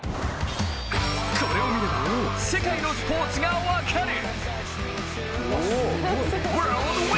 これを見れば世界のスポーツが分かる！